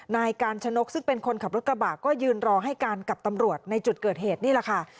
นายกาญชนกซึ่งเป็นคนขับรถกระบะก็ยืนรอให้การกับตำรวจในจุดเกิดเหตุนี่แหละค่ะ